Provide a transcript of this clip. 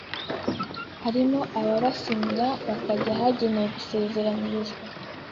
harimo ababasinyira, bakajya ahagenewe gusezeranyirizwa